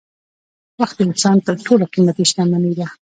وخت د انسان تر ټولو قېمتي شتمني ده.